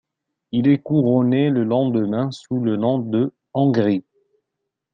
Il est couronné le lendemain sous le nom de de Hongrie.